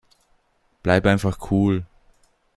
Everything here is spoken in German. Bleib einfach cool.